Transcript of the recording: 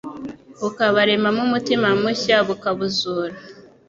bukabaremamo umutima mushya, bukabuzura.